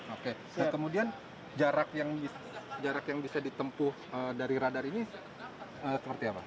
oke kemudian jarak yang bisa ditempuh dari radar ini seperti apa